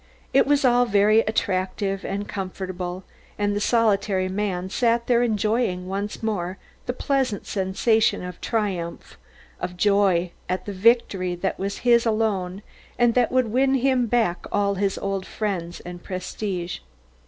It was all very attractive and comfortable, and the solitary man sat there enjoying once more the pleasant sensation of triumph, of joy at the victory that was his alone and that would win him back all his old friends and prestige.